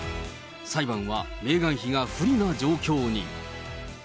裁判はメーガン妃が不利な状況に。